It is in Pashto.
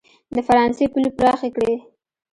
د فرانسې پولې پراخې کړي.